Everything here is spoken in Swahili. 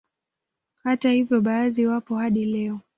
Hata hivyo baadhi wapo hadi leo